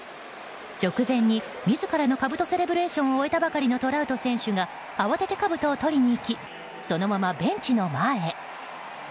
直前に自らのかぶとセレブレーションを終えたばかりのトラウト選手が慌ててかぶとを取りに行きそのままベンチの前へ。